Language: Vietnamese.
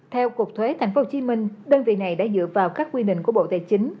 theo cục thuế tp hcm đơn vị này đã dựa vào các quy định của bộ tài chính